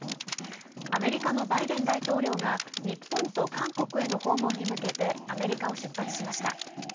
アメリカのバイデン大統領が日本と韓国への訪問に向けてアメリカを出発しました。